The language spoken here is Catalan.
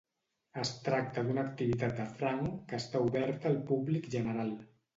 Es tracta d'una activitat de franc que està oberta al públic general.